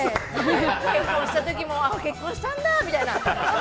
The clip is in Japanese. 結婚したときも、結婚したんだみたいな。